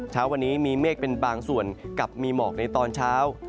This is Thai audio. เช้าวันนี้มีเมฆเป็นบางส่วนกับมีหมอกในตอนเช้า